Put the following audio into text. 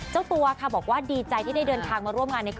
เจ้าตัวบอกว่ะดีใจที่ได้เดินทางมาร่วมงานแล้วค่ะ